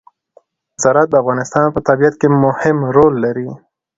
زراعت د افغانستان په طبیعت کې مهم رول لري.